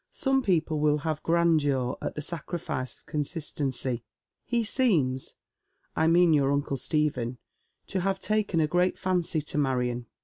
Some people will have grandeur at the sacrifice of consistency. He eeems — I mean your uncle Stephen — to have taken a great fancy to Marion.